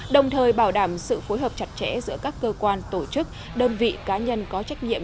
đồng thời bảo đảm sự phối hợp chặt chẽ giữa các cơ quan tổ chức đơn vị cá nhân có trách nhiệm